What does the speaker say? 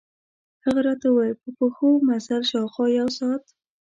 هغه راته ووېل په پښو مزل، شاوخوا یو ساعت.